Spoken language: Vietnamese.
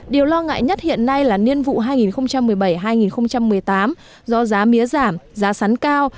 điều lo ngại nhất hiện nay là niên vụ hai nghìn một mươi bảy hai nghìn một mươi tám do giá mía giảm giá sắn cao